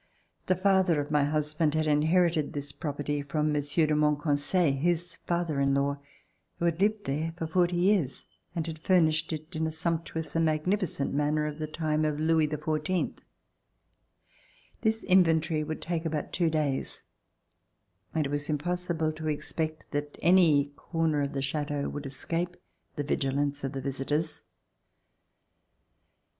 The father of my husband had inherited this property from Monsieur de Monconseil, his father in law, who had lived there for forty years and had furnished it in a sumptuous and magnificent manner of the time of Louis XIV. This inventory would take about two days and it was impossible to expect that any corner of the Chateau would escape the vigilance of the visitors.